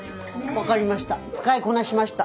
分かりました。